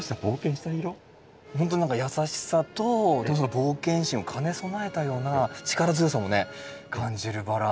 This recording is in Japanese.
ほんとに何か優しさとその冒険心を兼ね備えたような力強さもね感じるバラ。